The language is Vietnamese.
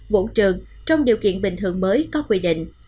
bộ trường trong điều kiện bình thường mới có quy định